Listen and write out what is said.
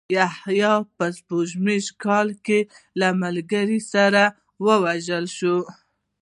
یحیی په سپوږمیز کال کې له ملګرو سره ووژل شو.